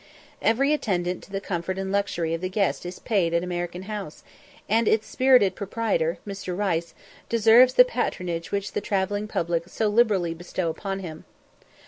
Every attention to the comfort and luxury of the guest is paid at American House, and its spirited proprietor, Mr. Rice, deserves the patronage which the travelling public so liberally bestow upon him.